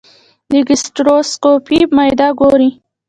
د ګیسټروسکوپي معده ګوري.